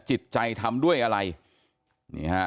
จิตใจทำด้วยอะไรนี่ฮะ